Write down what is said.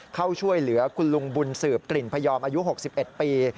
เข้าช่วยเหลือคุณลุงบุญสืบกลิ่นพยอมอายุ๖๑ปี